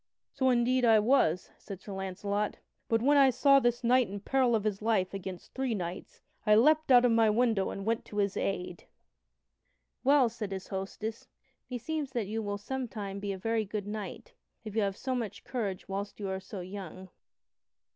"So indeed I was," said Sir Launcelot, "but when I saw this knight in peril of his life against three knights, I leaped out of my window and went to his aid." "Well," said his hostess, "meseems that you will sometime be a very good knight, if you have so much courage whilst you are so young."